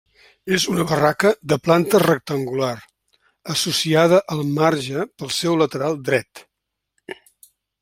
És una barraca de planta rectangular, associada al marge pel seu lateral dret.